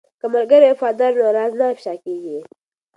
که ملګری وفادار وي نو راز نه افشا کیږي.